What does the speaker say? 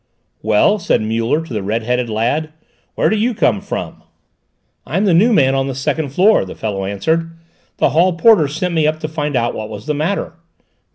"Well," said Muller, to the red headed lad, "where do you come from?" "I'm the new man on the second floor," the fellow answered. "The hall porter sent me up to find out what was the matter."